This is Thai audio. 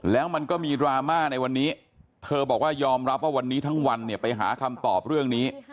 แล้วมันก็มีดราม่าในวันนี้เธอบอกว่ายอมรับว่าวันนี้ทั้งวันเนี่ยไปหาคำตอบเรื่องนี้